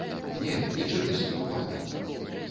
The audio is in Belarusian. Не, нічым не саступае!